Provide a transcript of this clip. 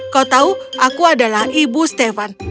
kau tahu aku adalah ibu stefan